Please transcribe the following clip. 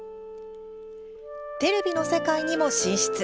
テレビの世界にも進出。